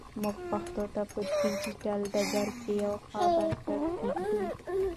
موږ پښتو ته په ډیجیټل ډګر کې یو ښه بنسټ ایږدو.